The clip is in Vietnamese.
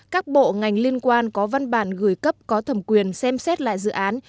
các bộ ngành liên quan có văn bản gửi cấp có thẩm quyền xem xét lại dự án